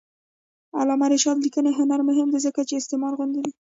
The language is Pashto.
د علامه رشاد لیکنی هنر مهم دی ځکه چې استعمار غندي.